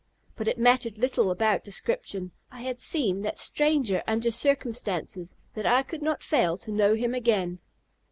But it mattered little about description; I had seen that stranger under such circumstances, that I could not fail to know him again.